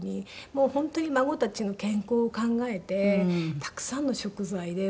もう本当に孫たちの健康を考えてたくさんの食材で。